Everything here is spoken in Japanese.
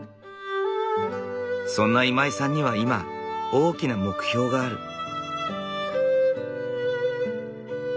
そんな今井さんには今大きな目標がある。